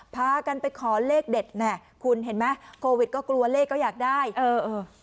พากันไปขอเลขเด็ดน่ะคุณเห็นไหมโควิดก็กลัวเลขก็อยากได้เออเออ